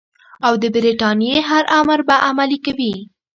او د برټانیې هر امر به عملي کوي.